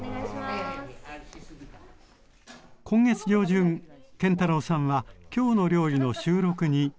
今月上旬建太郎さんは「きょうの料理」の収録に臨みました。